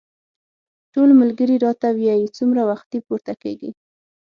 ټول ملګري راته وايي څومره وختي پورته کېږې.